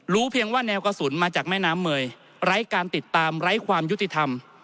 เพียงว่าแนวกระสุนมาจากแม่น้ำเมยไร้การติดตามไร้ความยุติธรรม